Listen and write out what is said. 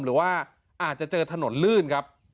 หรือว่าอาจจะเจอถนนลื่นครับ